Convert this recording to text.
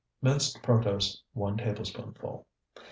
Minced protose, 1 tablespoonful.